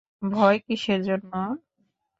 ভয় কিসের জন্য?